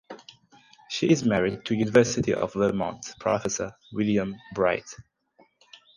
She is married to University of Vermont professor William Bright.